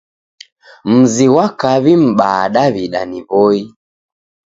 Mzi ghwa kaw'i m'baa Daw'ida ni W'oi.